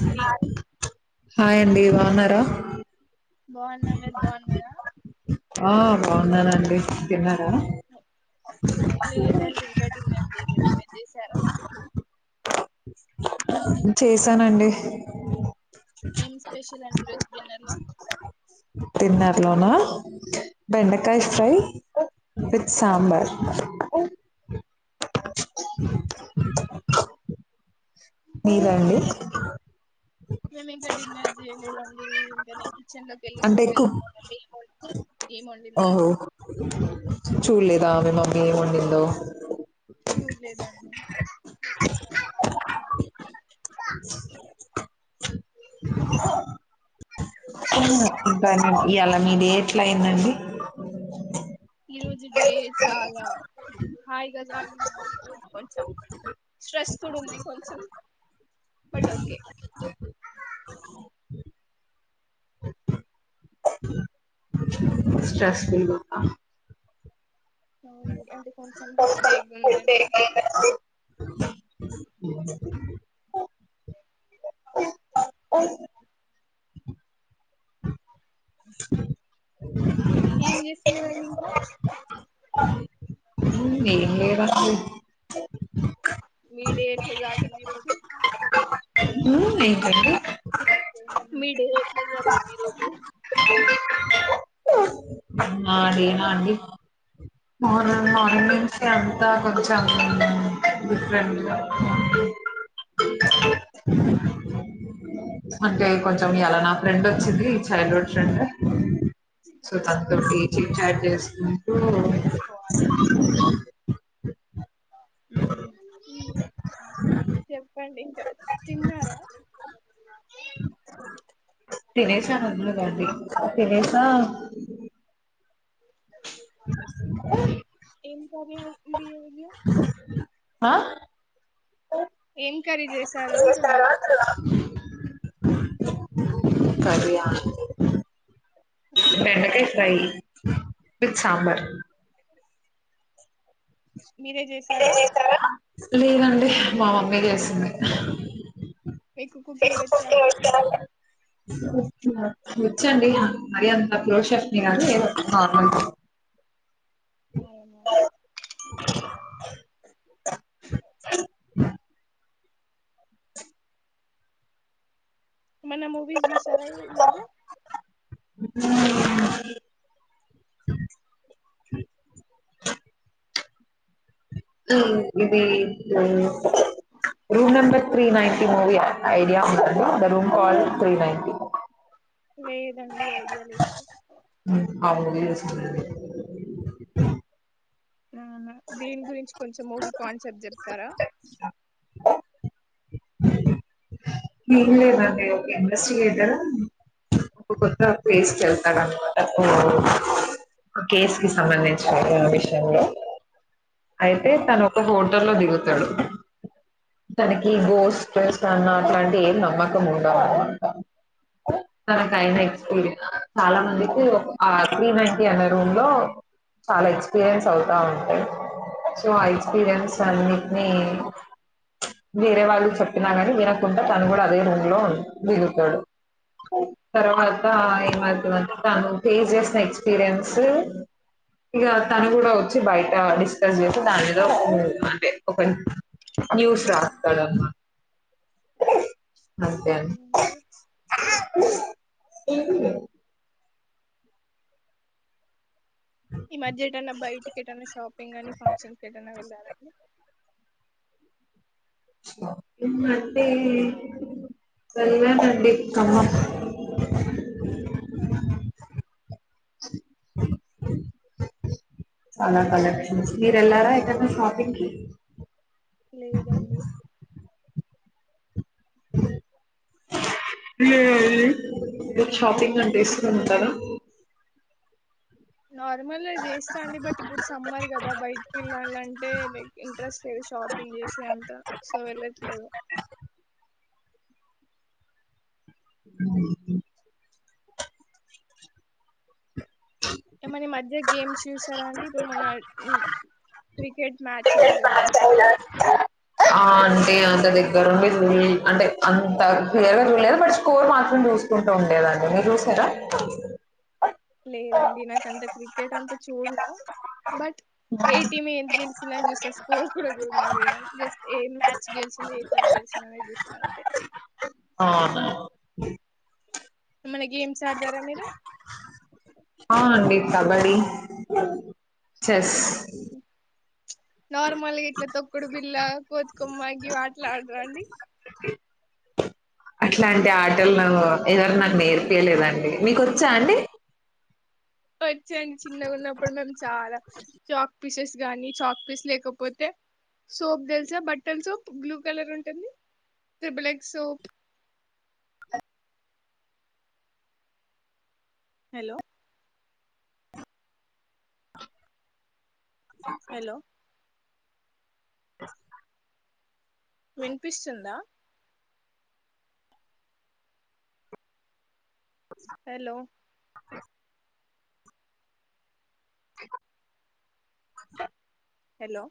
అండి హాయ్ అండి బావున్నారా బావున్నా మీరు బావున్నారా ఆ బావున్నానండి తిన్నా లేదండి ఇంకా డిన్నర్ చేయలేదు మీరు చేసారా చేస్ ఏం స్పెషల్ అండి ఈరోజు డిన్నర్ లో డిన్నర్ లోనా బెండకాయ ఫ్రై విత్ సాంబార్ మీదండి మేము ఇంకా డిన్నర్ చేయలేదండి ఇంకా నేన్ కిచెన్ లోకెళ్ళి అంటే ఎక్కువ చూడలేదు మా మమ్మి ఏం వండిందో అని చూళ్ళేదు గా మీ మమ్మీ ఏం వండిందో చూడలేదండి ఇంకా ఇయాల మీది ఎట్లా అయిందండి ఈరోజు డే చాలా హాయిగా సాగింది కొంచెం స్ట్రెస్ కుడుంది కొంచెం బట్ ఓకే స్ట్రెస్ ఫ్రీ గుంద అవునండి అంటే కొంచెం హెడేక్ ఉందండి ఏం చేస్తున్నారండి ఇంకా ఏం లేదండి మీ డే ఎట్ల సాగింది ఈరోజు ఉమ్ ఏంటండి మీ డే ఎట్ల జరిగింది ఈరోజు అన్నా డీ నా అండి [unintelligible] మార్నింగ్స్ [inaudible] తా కొంచెం డిఫరెంట్ అంటే కొంచెం ఇయ్యాల నా ఫ్రెండ్ వచ్చింది చైల్డ్ హుడ్ ఫ్రెండ్ సో తనతోటి చిట్ చాట్ చేసుకుంటూ కట్ ఊహు ఊ చెప్పండి తిన్నారా తినేసారు అందరు అండి తినేసా ఏం కర్రీ అండి ఈ రోజు ఆ ఏం కర్రీ చేసారు అంట టున్నా కరీయా బెండకాయ్ ఫ్రై విత్ సాంబర్ మీరె జేసారా [unintelligible] లేదండి మా మమ్మీ చేస్తుంది మీకు కుకింగ్ వచ్చా అండి వచ్చండి. మరి అంత ప్రో చెఫ్ ని గాదు ఏదో నార్మగా [inaudible] ఏమన్న మూవీస్ జుశార ఈ మధ్య [unintelligible] ఇది the room number three ninety movie idea ఉందండి రూమ్ కాల్డ్ త్రీ నైంటి లేదండి ఐడియా లేదు [inaudible] నా నా దేని గురించి కొంచెం మూవీ కాన్సెప్ట్ జేప్తారా ఏం లేదండి మూవీ ఒక ఇన్వెస్టిగేటర్ ఒక కొత్త ప్లేసుకు కెళ్తాడు అన్నమాట కేస్ కి సంబంధించిన ఆ విషయంలో అయితే ఉమ్, తన ఒక బోట్ తొర్లో దిగుతాడు తనకి ఓకే దోస్త్ చేస్తన్న తం ఏం నమ్మకం ఉండ [unintelligible] తనక అయిన ఓకే ఎక్స్పీరియన్స్ చాలా మందికి ఒక ఆ త్రీ నైంటి అనే రూమ్ లో చాలా ఎక్స్పీరియన్స్ అవుతా ఉంటాయి. సో ఆ ఎక్స్పీరియన్స్ సో అన్నింటినీ ఓకే వేరే వాళ్ళు చెప్పినా కాని వినకుండ తను కూడ అదే రూమ్ లో మిగులుతాడు తర్వాత ఆ ఈ ఓకే మద్ మధ్య తను పేచేస్త ఎక్స్పీరియన్స్ ఇగా తను కూడా వోచ్చి బయట డిస్కస్ చేసి దాని లొ అంటే ఒక న్యూస్ రాస్తడు అన్మాట [inaudible] [inaudible] ఈ మధ్య ఎటన్నా బయటికి ఎటన్నా షాపింగ్ గాని ఫంక్షన్ కెటన్నా వెళ్ళారా అండి షాపింగ్ అంటే వెళ్ళానండి ఇక్కడ అవునా చాలా కలెక్షన్స్ మీరెళ్ళారా ఎటన్నా షాపింగ్ కి లేదండి [inaudible] మీకు షాపింగ్ అంటే ఇష్టం ఉండదా నార్మల్ గా జేస్తా అండి బట్ ఇప్పుడు సమ్మర్ కదా బయటికెళ్ళాలంటే లైక్ ఇంట్రెస్ట్ లేదు షాపింగ్ జేసే అంత సో వెళ్ళట్లేదు ఏమన్న ఈ మధ్య గేమ్స్ చూసారా అండి ఇప్పుడు మొన్న క్రికెట్ మ్యాచ్ అయింది కదా చూసారా ట దగ్గర్ నుండి చూల్లేదు అంటే అంత క్లియర్ గా చూడలే గాని బట్ స్కోర్ మాత్రం చూసుకుంటూ ఉండేదాన్ని మీరు చూసారా లేదండి నాక అంత క్రికెట్ అంతా చూడ్నూ బట్ ఏ టీం ఏది గెలిచిందని చూస్తా స్కోర్ కూడా జూడను జస్ట్ ఏ మ్యాచ్ గెలిచిందని ఏ టీం గెలిచందనే చూస్తా అంతే అవునా ఏమన్నా గేమ్స్ ఆడతారా మీరు ఆ అండి కబడి చెస్ నార్మల్గా ఇట్లా తొక్కుడు బిల్ల కోతికొమ్మ గీ వాట్ల ఆడరా అండి అట్లాంటి ఆటలు ఎవరు నాకు నేర్పియ్యలేదండి మీకొచ్చా అండి వచ్చండి చిన్నగా ఉన్నప్పుడు మేము చాలా చ పీసెస్ గానీ చాక్పీస్ లేకపోతే సోప్ తెలిసా బట్టల్ సోప్ బ్లూ కలర్ ఉంటుంది త్రిబలక్ సోప్ హలో హలో వినిపిస్తుందా హలో హలో